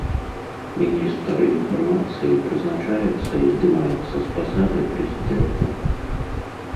Міністр інфармацыі прызначаецца і здымаецца з пасады прэзідэнтам.